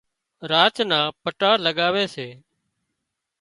راچ نان پٽا لڳاوي سي